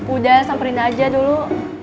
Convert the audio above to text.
udah samperin aja dulu